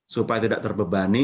supaya tidak terbebani